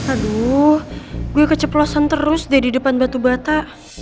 aduh gue keceplosan terus deh di depan batu bata